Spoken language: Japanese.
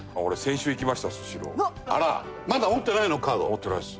持ってないです。